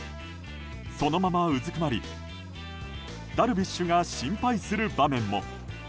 そのままうずくまりダルビッシュが心配する場面も。